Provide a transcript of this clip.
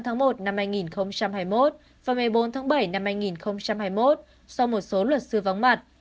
hai mươi tám tháng một năm hai nghìn hai mươi một và một mươi bốn tháng bảy năm hai nghìn hai mươi một so với một số luật sư vắng mặt